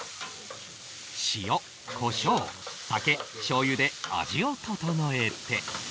塩こしょう酒しょうゆで味を調えて